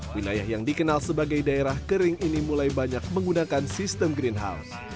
wilayah yang dikenal sebagai daerah kering ini mulai banyak menggunakan sistem greenhouse